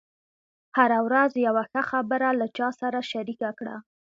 هره ورځ یوه ښه خبره له چا سره شریکه کړه.